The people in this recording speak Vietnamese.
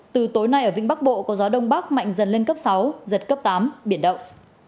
từ tối nay ở vĩnh bắc bộ có gió đông bắc mạnh dần lên cấp sáu giật cấp tám biển động